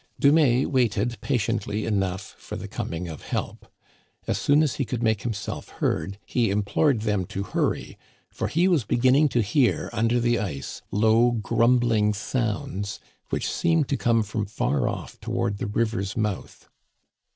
Dumais waited patiently enough for the coming of help. As soon as he could make himself heard he im plored them to hurry, for he was beginning to hear un der the ice low grumbling sounds which seemed to come from far off toward the river's mouth.